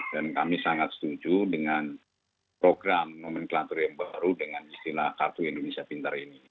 dan kami sangat setuju dengan program nomenklatur yang baru dengan istilah kartu indonesia pintar ini